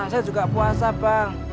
saya juga puasa bang